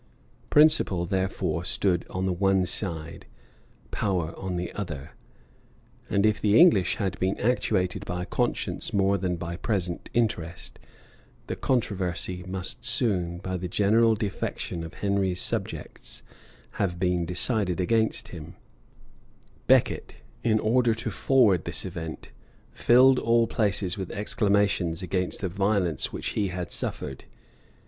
] Principle, therefore, stood on the one side, power on the other; and if the English had been actuated by conscience more than by present interest, the controversy must soon, by the general defection of Henry's subjects, have been decided against him, Becket, in order to forward this event, filled all places with exclamations against the violence which he had suffered.